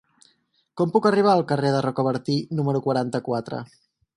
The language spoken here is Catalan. Com puc arribar al carrer de Rocabertí número quaranta-quatre?